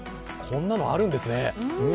こんなのあるんですね。